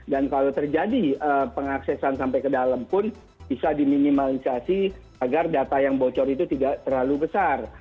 dan kalau terjadi pengaksesan sampai ke dalam pun bisa diminimalisasi agar data yang bocor itu tidak terlalu besar